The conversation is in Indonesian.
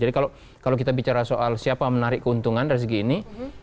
jadi kalau kita bicara soal siapa menarik keuntungan dari segi ini